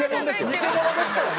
偽物ですからね。